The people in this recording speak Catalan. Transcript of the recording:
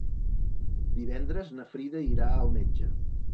Divendres na Frida irà al metge.